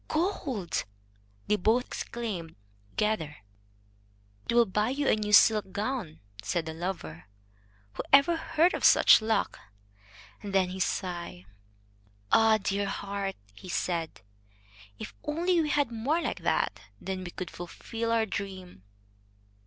"Gold!" they both exclaimed together. "It will buy you a new silk gown," said the lover. "Who ever heard of such luck?" And then he sighed. "Ah! dear heart," he said, "if only we had more like that! Then we could fulfil our dream."